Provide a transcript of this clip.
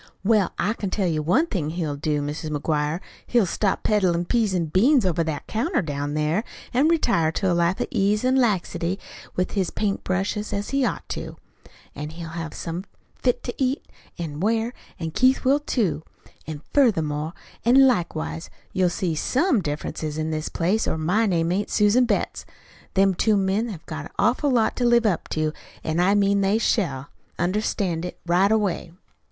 "Well, I can tell you one thing he'll do, Mis' McGuire. He'll stop peddlin' peas an' beans over that counter down there, an' retire to a life of ease an' laxity with his paint brushes, as he ought to. An' he'll have somethin' fit to eat an' wear, an' Keith will, too. An' furthermore an' likewise you'll see SOME difference in this place, or my name ain't Susan Betts. Them two men have got an awful lot to live up to, an' I mean they shall understand it right away."